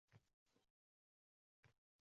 Bilimli, zukko, mard va dovyurak yoshlarimiz bor